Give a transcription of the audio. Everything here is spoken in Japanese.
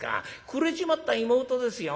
くれちまった妹ですよ。